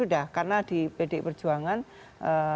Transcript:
sudah karena di pdi perjuangan ada mekanisme